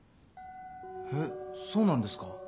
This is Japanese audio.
えっそうなんですか？